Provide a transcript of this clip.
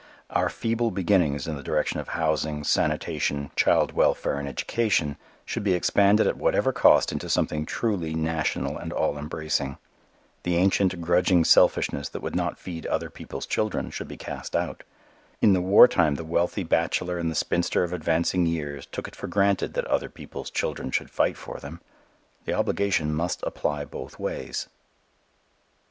Our feeble beginnings in the direction of housing, sanitation, child welfare and education, should be expanded at whatever cost into something truly national and all embracing. The ancient grudging selfishness that would not feed other people's children should be cast out. In the war time the wealthy bachelor and the spinster of advancing years took it for granted that other people's children should fight for them. The obligation must apply both ways.